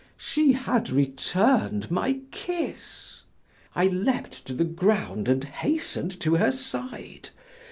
She had returned my kiss. I leaped to the ground and hastened to her side.